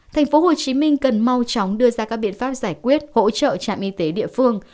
tp hcm cần mau chóng đưa ra các biện pháp giải quyết hỗ trợ trạm y tế địa phương